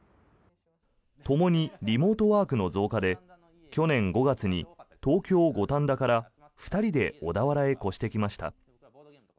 ともにリモートワークの増加で去年５月に東京・五反田から２人で小田原へ越してきました。